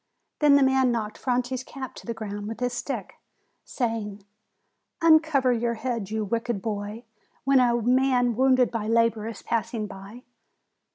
Then the man knocked Franti's cap to the ground with his stick, saying : "Uncover your head, you wicked boy, when a man wounded by labor is passing by!"